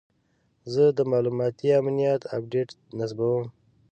زه د معلوماتي امنیت اپډیټ نصبوم.